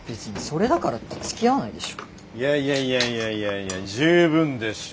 いやいやいやいやいやいや十分でしょ。